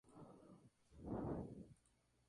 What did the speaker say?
Se encuentra en la Isla de Pascua y Pitcairn.